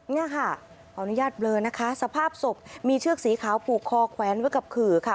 เนี่ยค่ะขออนุญาตเบลอนะคะสภาพศพมีเชือกสีขาวผูกคอแขวนไว้กับขื่อค่ะ